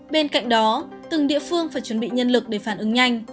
bên cạnh đó từng địa phương phải chuẩn bị nhân lực để phản ứng nhanh